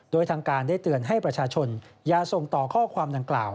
โดยทางการได้เตือนให้ประชาชนอย่าส่งต่อข้อความดังกล่าว